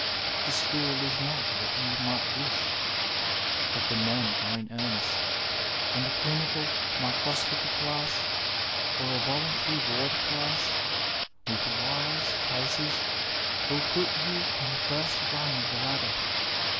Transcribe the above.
The school is not what you might wish, but the men are in earnest, and a clinical microscopy class or a voluntary ward class, with Y.'s cases, will put you oa the first rung of the ladder.